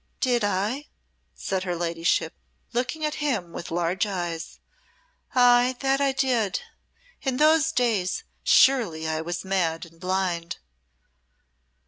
"Did I?" said her ladyship, looking at him with large eyes. "Ay, that I did. In those days surely I was mad and blind."